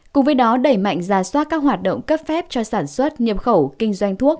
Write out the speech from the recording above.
cùng với đó đẩy mạnh ra soát các hoạt động cấp phép cho sản xuất nhập khẩu kinh doanh thuốc